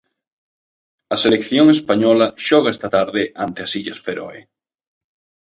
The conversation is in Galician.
A selección española xoga esta tarde ante as Illas Feroe.